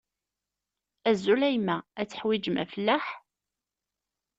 Azul a yemma, ad teḥwijem afellaḥ?